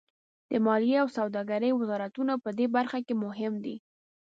د مالیې او سوداګرۍ وزارتونه پدې برخه کې مهم دي